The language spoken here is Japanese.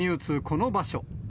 この場所。